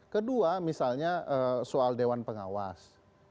kedua misalnya soal dewan pengawas